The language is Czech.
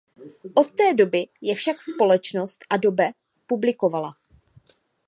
Od té doby je však společnost Adobe publikovala.